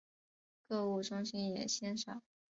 购物中心也鲜少。